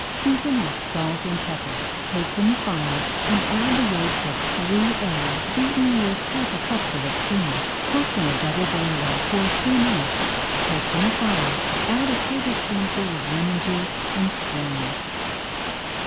Season with salt and pepper, take from the fire and add the yolks of three eggs beaten with half a cupful of cream. Cook in a double boiler for three minutes, take from the fire, add a tablespoonful of lemon juice and strain.